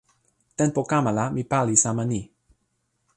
tenpo kama la mi pali sama ni.